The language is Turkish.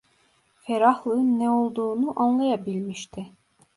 Ferahlığın ne olduğunu anlayabilmişti.